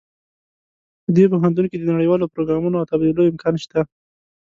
په دې پوهنتون کې د نړیوالو پروګرامونو او تبادلو امکان شته